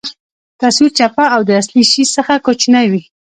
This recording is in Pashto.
تصویر چپه او د اصلي شي څخه کوچنۍ وي.